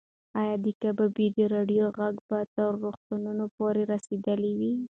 ایا د کبابي د راډیو غږ به تر روغتونه پورې رسېدلی وي؟